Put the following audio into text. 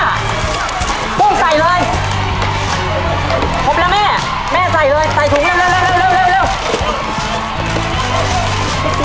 ห้าพุ่งใส่เลยพบแล้วแม่แม่ใส่เลยใส่ถุงเร็วเร็วเร็ว